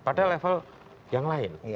pada level yang lain